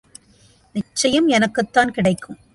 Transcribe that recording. நிச்சயம், எனக்குத்தான் கிடைக்கும்.